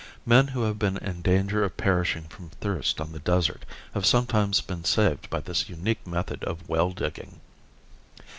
Men who have been in danger of perishing from thirst on the desert have sometimes been saved by this unique method of well digging.